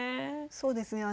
そうですね。